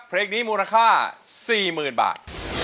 เพลงนี้มูลค่า๔๐๐๐บาท